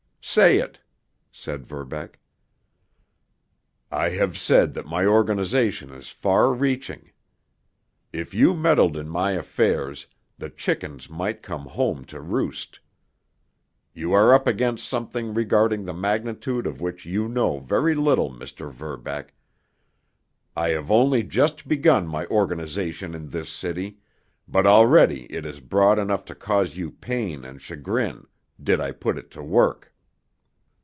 "Say it!" said Verbeck. "I have said that my organization is far reaching. If you meddled in my affairs, the chickens might come home to roost. You are up against something regarding the magnitude of which you know very little, Mr. Verbeck. I have only just begun my organization in this city, but already it is broad enough to cause you pain and chagrin, did I put it to work."